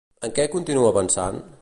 En què continua pensant?